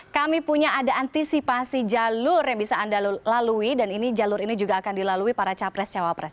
kami punya ada antisipasi jalur yang bisa anda lalui dan ini jalur ini juga akan dilalui para capres cawapres